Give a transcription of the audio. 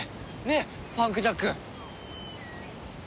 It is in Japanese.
ねっパンクジャック！